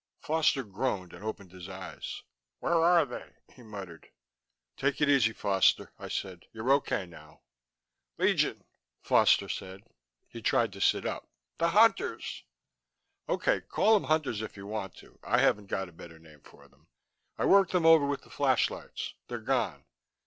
Foster groaned and opened his eyes. "Where are ... they?" he muttered. "Take it easy, Foster," I said. "You're OK now." "Legion," Foster said. He tried to sit up. "The Hunters...." "OK, call 'em Hunters if you want to. I haven't got a better name for them. I worked them over with the flashlights. They're gone."